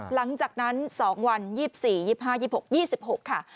หลังจากนั้น๒วัน๒๔๒๕๒๖๒๖ค่ะ